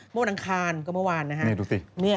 เมื่อวันอังคารก็เมื่อวานนะครับนี่ดูสิ